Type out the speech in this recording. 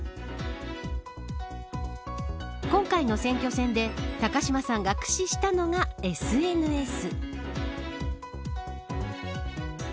今回の選挙戦で、高島さんが駆使したのがＳＮＳ。